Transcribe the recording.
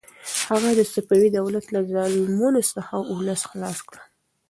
هغه د صفوي دولت له ظلمونو څخه ولس خلاص کړ.